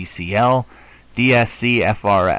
D., D. C. L., D. Sc., F. R.